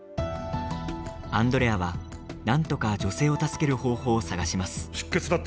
アンドレアは、なんとか女性を助ける方法を探します。